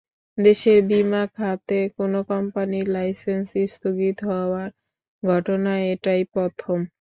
দেশের বিমা খাতে কোনো কোম্পানির লাইসেন্স স্থগিত হওয়ার ঘটনা এটাই প্রথম।